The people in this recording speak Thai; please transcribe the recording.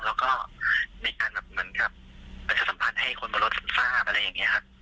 แล้วก็ในการแบบมันจะสัมพันธ์ให้คนบริษัททราบอะไรอย่างนี้ค่ะ